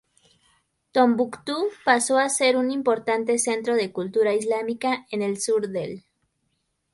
Tombuctú pasó a ser un importante centro de cultura islámica en el sur del.